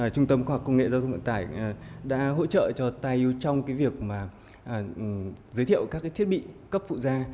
trung tâm khoa học công nghệ giao thông cộng tải đã hỗ trợ cho tài yêu trong cái việc mà giới thiệu các cái thiết bị cấp phụ ra